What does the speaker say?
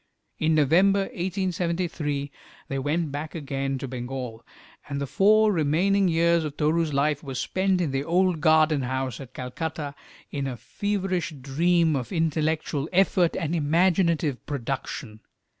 In November, 1873, they went back again to Bengal, and the four remaining years of Toru's life were spent in the old garden house at Calcutta, in a feverish dream of intellectual effort and imaginative production.